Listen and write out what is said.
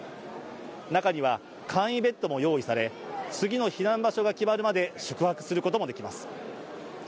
中には簡易ベッドも用意され、次の避難場所が決まるまで宿泊することもできます。